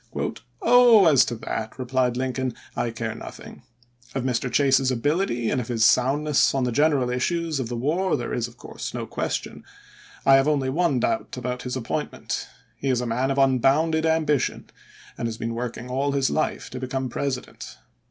" Oh ! as to that," replied Lincoln, " I care nothing. Of Mr. Chase's ability and of his soundness on the general issues of the war there is, of course, no question. I have only one doubt about his appoint ment. He is a man of unbounded ambition, and has been working all his life to become President.